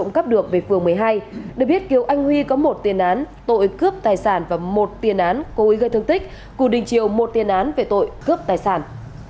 được về phường một mươi hai được biết kiều anh huy có một tiền án tội cướp tài sản và một tiền án cố ý gây thương tích cù đình triều một tiền án về tội cướp tài sản